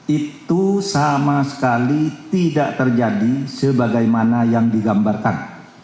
itu sama sekali tidak terjadi sebagaimana yang digambarkan